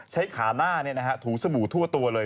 ใช้ขาหน้าถูสบู่ทั่วตัวเลย